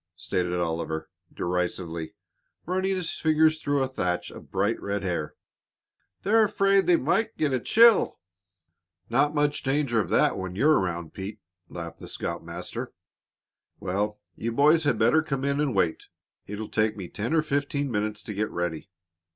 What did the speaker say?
stated Oliver, derisively, running his fingers through a thatch of bright, red hair. "They're afraid they might get a chill." "Not much danger of that when you're around, Pete," laughed the scoutmaster. "Well, you boys had better come in and wait. It'll take me ten or fifteen minutes to get ready."